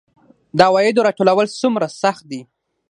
د عوایدو راټولول څومره سخت دي؟